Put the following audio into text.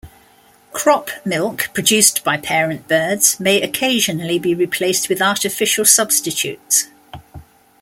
Crop milk produced by parent birds may occasionally be replaced with artificial substitutes.